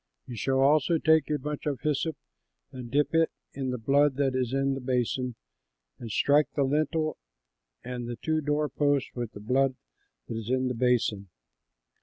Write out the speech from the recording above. You shall also take a bunch of hyssop and dip it in the blood that is in the basin and strike the lintel and the two door posts with the blood that is in the basin.